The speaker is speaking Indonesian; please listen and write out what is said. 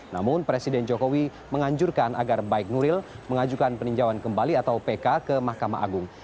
namun presiden jokowi mengajukan peninjauan kembali atau pk ke mahkamah agung